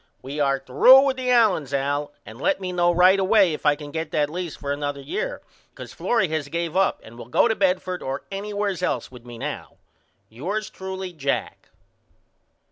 We are threw with the Allens Al and let me know right away if I can get that lease for another year because Florrie has gave up and will go to Bedford or anywheres else with me now. Yours truly, JACK.